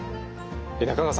中川さん